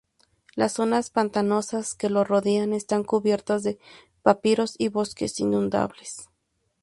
Las zonas pantanosas que lo rodean están cubiertas de papiros y bosques inundables.